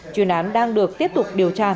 chuyên án đang được tiếp tục điều tra mở rộng